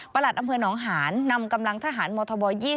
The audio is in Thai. หลัดอำเภอหนองหานนำกำลังทหารมธบ๒๐